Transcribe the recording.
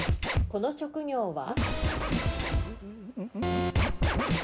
この職業は？